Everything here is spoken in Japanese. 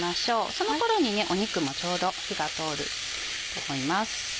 その頃に肉もちょうど火が通ると思います。